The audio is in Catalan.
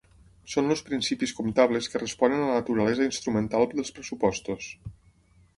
Són els principis comptables que responen a la naturalesa instrumental dels pressupostos.